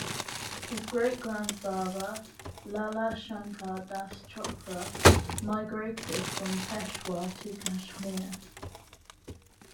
His great-grandfather, Lala Shankar Das Chopra, migrated from Peshawar to Kashmir.